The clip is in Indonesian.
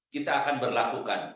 kita akan berlakukan